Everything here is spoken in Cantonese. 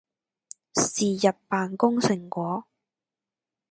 是日扮工成果